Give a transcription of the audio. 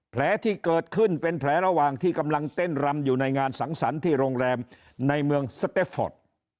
แผลที่เกิดขึ้นเป็นแผลระหว่างที่กำลังเต้นรำอยู่ในงานสังสรรค์ที่โรงแรมในเมืองสเตฟฟอร์ต